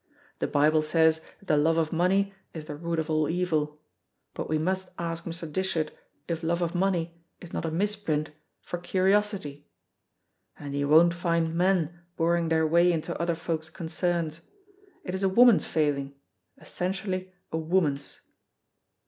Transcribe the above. The Bible says that the love of money is the root of all evil, but we must ask Mr. Dishart if love of money is not a misprint for curiosity. And you won't find men boring their way into other folk's concerns; it is a woman's failing, essentially a woman's."